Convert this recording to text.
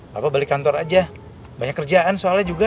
bapak balik kantor aja banyak kerjaan soalnya juga